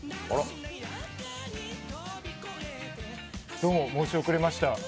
どうも申し遅れました。